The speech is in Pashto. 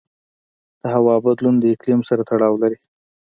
د هوا بدلون د اقلیم سره تړاو لري.